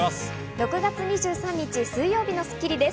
６月２３日、水曜日の『スッキリ』です。